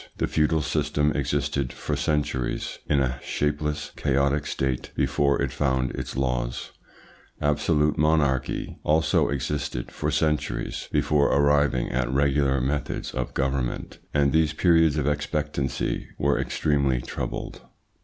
The feudal system existed for centuries in a shapeless, chaotic state before it found its laws; absolute monarchy also existed for centuries before arriving at regular methods of government, and these periods of expectancy were extremely troubled."